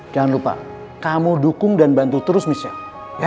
jangan lupa kamu dukung dan bantu terus michelle